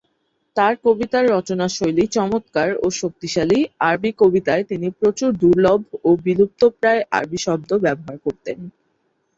তার কবিতার রচনাশৈলী চমৎকার ও শক্তিশালী, আরবি কবিতায় তিনি প্রচুর দুর্লভ ও বিলুপ্তপ্রায় আরবি শব্দ ব্যবহার করতেন।